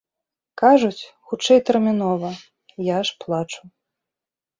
Кажуць, хутчэй, тэрмінова, я ж плачу.